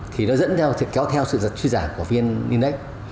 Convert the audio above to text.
thì nó dẫn theo kéo theo sự truy giảm của viên index